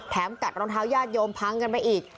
กัดรองเท้าญาติโยมพังกันไปอีก